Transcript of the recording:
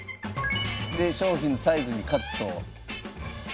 で商品のサイズにカット。